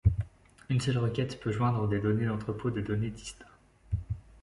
Une seule requête peut joindre des données d'entrepôts de données distincts.